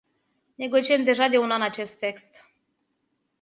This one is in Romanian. Negociem deja de un an acest text.